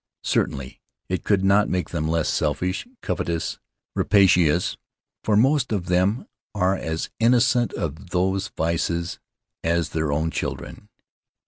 Cer tainly it could not make them less selfish, covetous, rapacious, for most of them are as innocent of those vices as their own children.